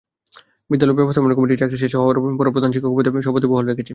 বিদ্যালয় ব্যবস্থাপনা কমিটি চাকরি শেষ হওয়ার পরও প্রধান শিক্ষককে স্বপদে বহাল রেখেছে।